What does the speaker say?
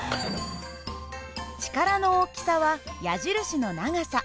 力の大きさは矢印の長さ。